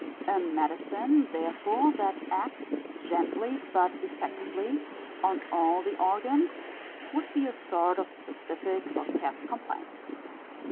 A medicine, therefore, that acts, gently but effectively, on all the organs would be a sort of specific for cats' complaints.